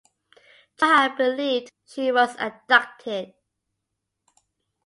Juha believed she was abducted.